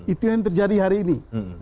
itu yang terjadi hari ini